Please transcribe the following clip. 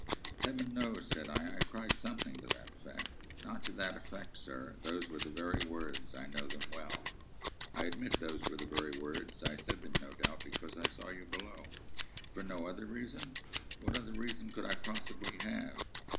"Heaven knows," said I. "I cried something to that effect—" "Not to that effect, sir. Those were the very words. I know them well." "Admit those were the very words. I said them, no doubt, because I saw you below." "For no other reason?" "What other reason could I possibly have?"